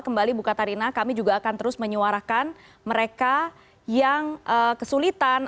kembali buka tarina kami juga akan terus menyuarakan mereka yang kesulitan